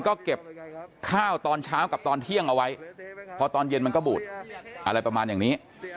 ก็เก็บข้าวตอนเช้ากับตอนเที่ยงเอาไว้พอตอนเย็นมันก็บูดอะไรประมาณอย่างนี้